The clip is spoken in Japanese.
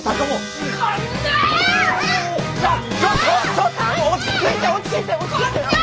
ちょっと落ち着いて落ち着いて落ち着いて！